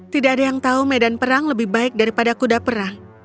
tidak ada yang tahu medan perang lebih baik daripada kuda perang